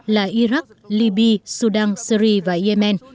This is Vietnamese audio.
là iraq libya sudan syria và yemen